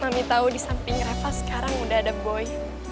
mami tau di samping reva sekarang udah ada boy